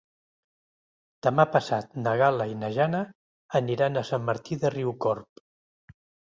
Demà passat na Gal·la i na Jana aniran a Sant Martí de Riucorb.